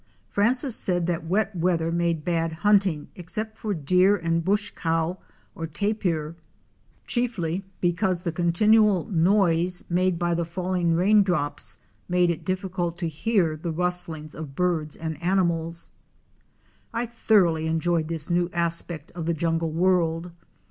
Francis said that wet weather made bad hunt ing except for deer and bush cow or tapir, chiefly because the continual noise made by the falling rain drops made it difficult to hear the rustlings of birds and animals. I thoroughly enjoyed this new aspect of the jungle world.